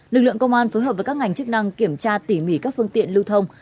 lực lượng công an phối hợp với các ngành chức năng kiểm tra tỉ mỉ các phương tiện lưu thông